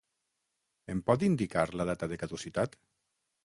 Em pot indicar la data de caducitat?